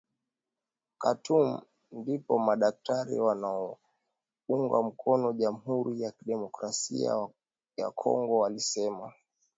Khartoum ndipo madaktari wanaounga mkono jamuhuri ya demokrasia ya Kongo walisema